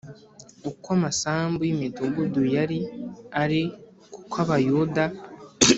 uko amasambu y imidugudu yari ari kuko Abayuda